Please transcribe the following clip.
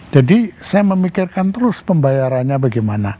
jadi saya memikirkan terus pembayarannya bagaimana